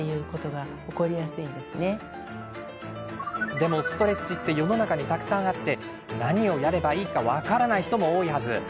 でも、ストレッチって世の中にたくさんあって何をやればいいか分からない人も多いはず。